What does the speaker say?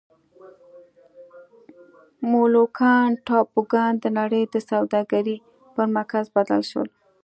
مولوکان ټاپوګان د نړۍ د سوداګرۍ پر مرکز بدل شول.